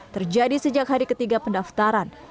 terjadi sejak hari ketiga pendaftaran